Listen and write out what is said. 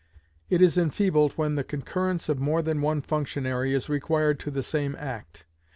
It is enfeebled when the concurrence of more than one functionary is required to the same act.